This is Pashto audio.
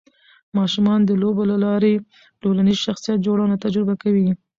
ماشومان د لوبو له لارې د ټولنیز شخصیت جوړونه تجربه کوي.